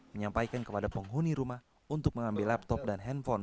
menyampaikan kepada penghuni rumah untuk mengambil laptop dan handphone